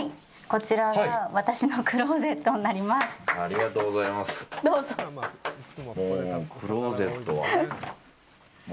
こちらは私のクローゼットになります。